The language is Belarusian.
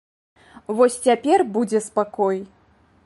Вось цяпер будзе спакой.